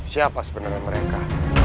siapa sebenarnya mereka